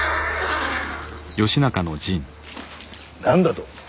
何だと。